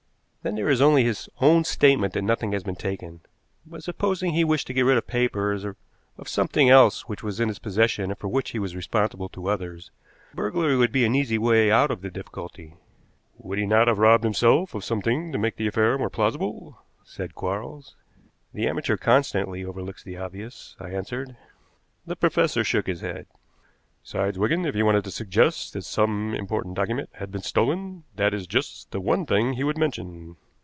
Then there is only his own statement that nothing has been taken. But supposing he wished to get rid of papers, or of something else which was in his possession and for which he was responsible to others, a burglary would be an easy way out of the difficulty." "Would he not have robbed himself of something to make the affair more plausible?" said Quarles. "The amateur constantly overlooks the obvious," I answered. The professor shook his head. "Besides, Wigan, if he wanted to suggest that some important document had been stolen, that is just the one thing he would mention."